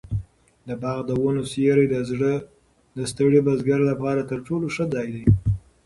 د باغ د ونو سیوری د ستړي بزګر لپاره تر ټولو ښه ځای دی.